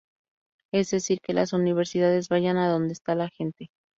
Es decir, que las universidades vayan a donde está la gente.